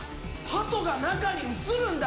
あっ、ハトが中に移るんだ。